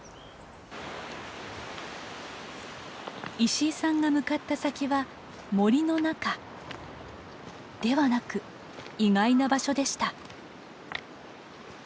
石井さんが向かった先は森の中ではなく意外な場所でした。